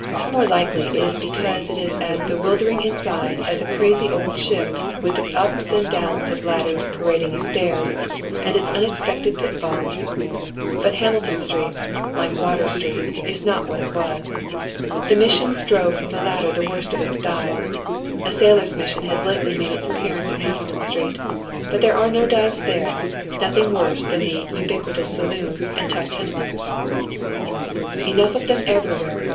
More likely it is l>ecanse it is as bewildering inside as a crazy old ship, with its nps oy Google THE DOWN TOWM ISACK ALLEYti. 43 and downs of Jadders parading as staii's, and its unexpected pitfalls. But Hauiiltoii Street, like Water Street, is not what it was. The missions drove fi om the latter the worst of its dives, A sailors' mission has lately made its appearance in namilton Street, hut there are no dives there, nothing worse than the ubiquitous saloon and tongli tenements. Enough of them everywhere.